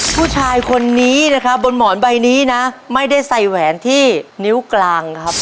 ผู้ชายคนนี้นะครับบนหมอนใบนี้นะไม่ได้ใส่แหวนที่นิ้วกลางครับ